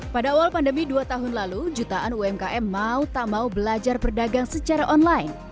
pada awal pandemi dua tahun lalu jutaan umkm mau tak mau belajar berdagang secara online